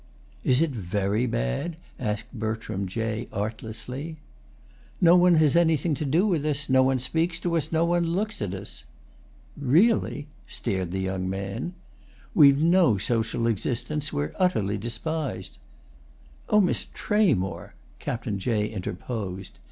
"Is it very bad?" asked Bertram Jay artlessly. "No one has anything to do with us, no one speaks to us, no one looks at us." "Really?" stared the young man. "We've no social existence, we're utterly despised." "Oh, Miss Tramore!" Captain Jay interposed.